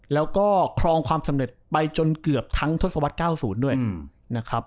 แล้วก็ครองความสำเร็จไปจนเกือบทั้งทศวรรษ๙๐ด้วยนะครับ